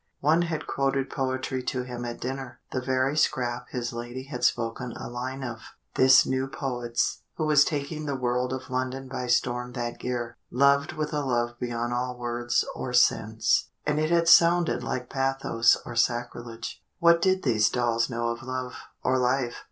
One had quoted poetry to him at dinner, the very scrap his lady had spoken a line of this new poet's, who was taking the world of London by storm that year: "Loved with a love beyond all words or sense!" And it had sounded like bathos or sacrilege. What did these dolls know of love, or life?